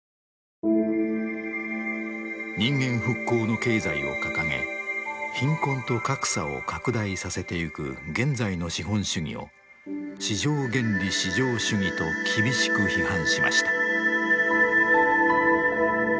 人間復興の経済を掲げ貧困と格差を拡大させていく現在の資本主義を市場原理至上主義と厳しく批判しました。